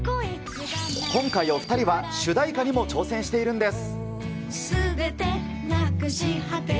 今回お２人は、主題歌にも挑戦しているんです。